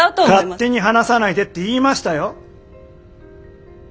勝手に話さないでって言いましたよ！